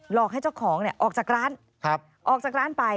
อกให้เจ้าของออกจากร้านออกจากร้านไป